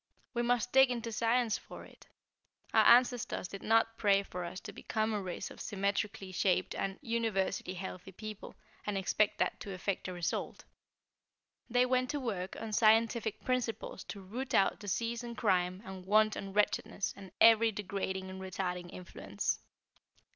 We must dig into science for it. Our ancestors did not pray for us to become a race of symmetrically shaped and universally healthy people, and expect that to effect a result. They went to work on scientific principles to root out disease and crime and want and wretchedness, and every degrading and retarding influence."